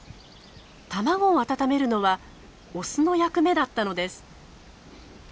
卵を温めるのはオスの役目だったのです。